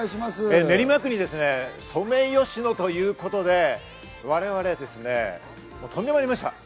練馬区にソメイヨシノということで、我々ですね、飛んでまいりました。